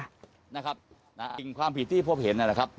สิ่งนะครับสิ่งความผิดที่พบเห็นนั่นแหละครับ